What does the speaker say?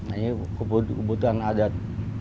ini kebutuhan adat